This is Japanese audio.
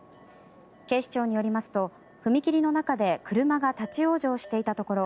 警視庁によりますと、踏切の中で車が立ち往生していたところ